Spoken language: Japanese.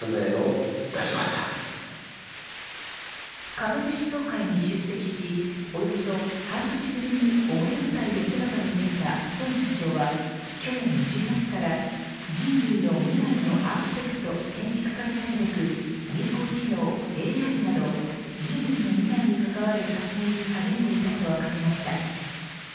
株主総会に出席しおよそ半年ぶりに表舞台へ姿を見せた孫社長は去年１０月から人類の未来のアーキテクト建築家になるべく人工知能、ＡＩなど人類の未来に関わる発明に励んでいたと明かしました。